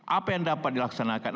apa yang dapat dilaksanakan